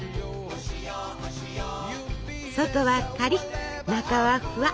外はカリッ中はフワ。